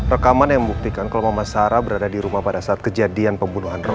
rekaman yang membuktikan kalau mama sarah berada di rumah pada saat kejadian pembunuh android